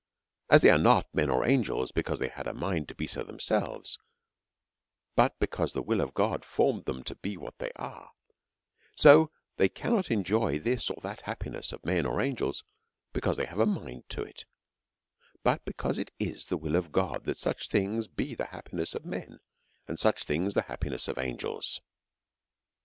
As they are not men or angels, because they had a mind to be so themselves, but because the will of God formed them to be what they are ; so they cannot en joy this or that happiness of men or angels, because they have a mind to it, but because it is the will of God that such things be the happiness of men, and such things the happiness of angels.